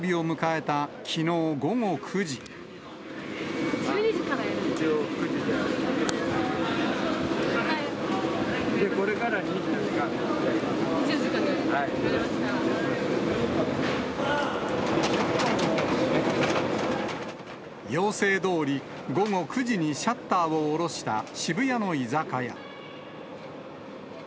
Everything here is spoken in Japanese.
続けて？要請どおり、午後９時にシャッターを下ろした渋谷の居酒屋。